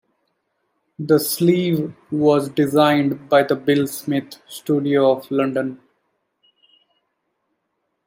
The sleeve was designed by the Bill Smith Studio of London.